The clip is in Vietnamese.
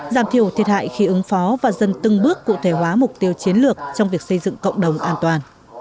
giảm thiểu thiệt hại khi ứng phó và dần từng bước cụ thể hóa mục tiêu chiến lược trong việc xây dựng cộng đồng an toàn